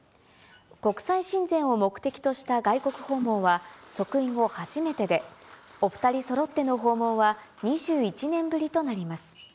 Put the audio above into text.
国際親善を目的とした外国訪問は即位後、初めてで、お２人そろっての訪問は２１年ぶりとなります。